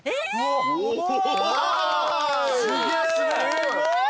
すごい。